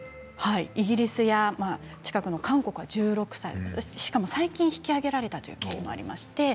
イギリスや、近くの韓国は１６歳しかも最近引き上げられたという経緯があります。